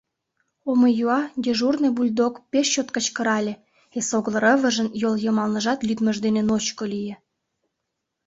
Омыюа дежурный бульдог пеш чот кычкырале, эсогыл рывыжын йол йымалныжат лӱдмыж дене ночко лие.